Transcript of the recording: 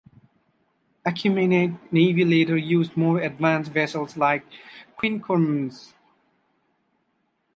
Achaemenid navy later used more advanced vessels like quinqueremes.